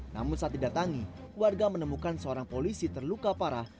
namun saat didatangi warga menemukan seorang polisi terluka parah